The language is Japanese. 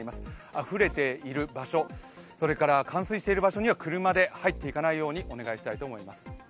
あふれている場所、冠水している場所には車で入っていかないようにお願いしたいと思います。